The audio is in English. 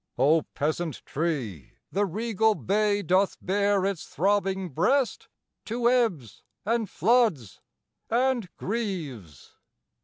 O peasant tree, the regal Bay doth bare Its throbbing breast to ebbs and floods and grieves!